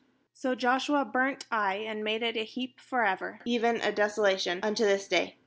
28So Joshua burnt Ai, and made it a heap for ever, even a desolation, unto this day.